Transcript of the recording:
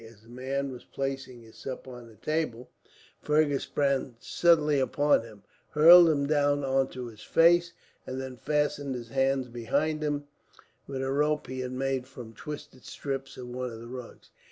As the man was placing his supper on the table, Fergus sprang suddenly upon him, hurled him down on to his face, and then fastened his hands behind him with a rope he had made from twisted strips of one of his rugs.